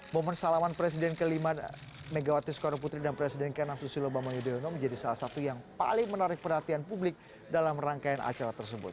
momen salaman presiden ke lima megawati soekarno putri dan presiden ke enam susilo bambang yudhoyono menjadi salah satu yang paling menarik perhatian publik dalam rangkaian acara tersebut